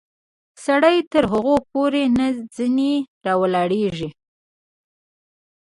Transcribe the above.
سړی تر هغو پورې نه ځینې رالویږي.